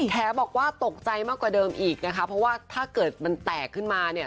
บอกว่าตกใจมากกว่าเดิมอีกนะคะเพราะว่าถ้าเกิดมันแตกขึ้นมาเนี่ย